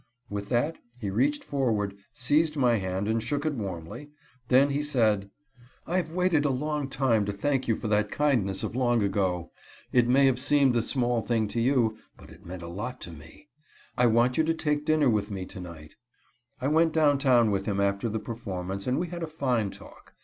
With that he reached forward, seized my hand and shook it warmly. Then he said: "I have waited a long time to thank you for that kindness of long ago. It may have seemed a small thing to you, but it meant a lot to me. I want you to take dinner with me to night." I went downtown with him after the performance, and we had a fine talk.